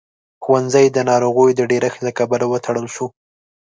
ښوونځی د ناروغيو د ډېرښت له کبله وتړل شو.